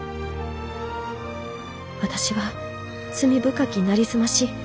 私は罪深きなりすまし。